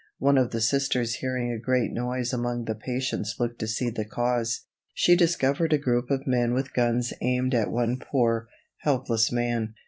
One of the Sisters hearing a great noise among the patients looked to see the cause. She discovered a group of men with guns aimed at one poor, helpless man.